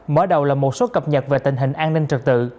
mở đầu là một số cập nhật về tình hình an ninh trật tự